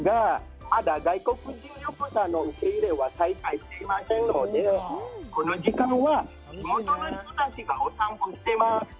まだ外国人旅行者の受け入れは再開していませんので、この時間は地元の人たちがお散歩してます。